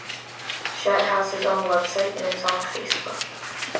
Chet has his own website, and is on Facebook.